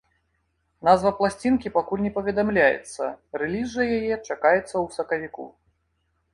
Назва пласцінкі пакуль не паведамляецца, рэліз жа яе чакаецца ў сакавіку.